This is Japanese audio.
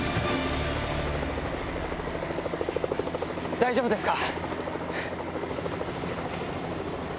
大丈夫ですか？